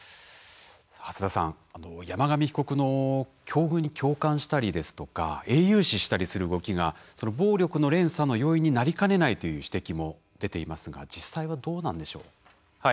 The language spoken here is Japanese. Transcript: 初田さん、山上被告の境遇に共感したりとか英雄視したりする動きが暴力の連鎖の要因になりかねないという指摘も出ていますが実際はどうなんでしょう？